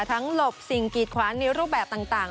ทั้งหลบสิ่งกีดขวานิ้วรูปแบบต่าง